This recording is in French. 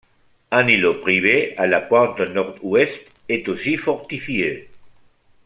Un îlot privé, à la pointe nord-ouest, est aussi fortifié.